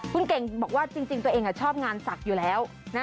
คุณเก่งบอกว่าจริงตัวเองชอบงานศักดิ์อยู่แล้ว